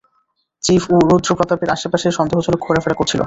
Chief, ও রুদ্র প্রতাপের আশেপাশে সন্দেহজনকভাবে ঘোরাফেরা করছিল।